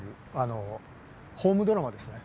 ホームドラマですね。